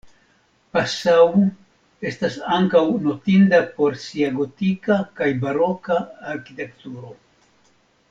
Passau estas ankaŭ notinda por sia gotika kaj baroka arkitekturo.